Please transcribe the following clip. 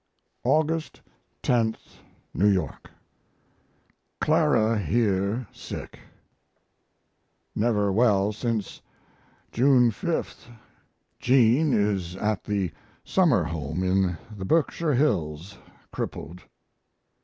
August 10. NEW YORK. Clam here sick never well since June 5. Jean is at the summer home in the Berkshire Hills crippled.